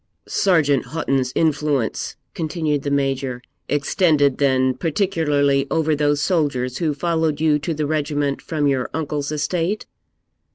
'Sergeant Houghton's influence,' continued the Major, 'extended, then, particularly over those soldiers who followed you to the regiment from your uncle's estate?'